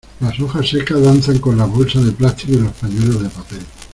Las hojas secas danzan con las bolsas de plástico y los pañuelos de papel.